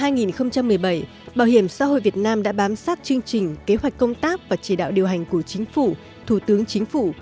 năm hai nghìn một mươi bảy bảo hiểm xã hội việt nam đã bám sát chương trình kế hoạch công tác và chỉ đạo điều hành của chính phủ thủ tướng chính phủ